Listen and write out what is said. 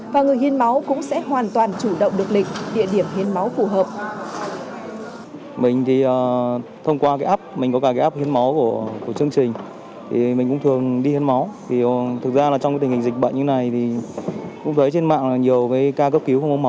và người hiến máu cũng sẽ hoàn toàn chủ động được lịch địa điểm hiến máu phù hợp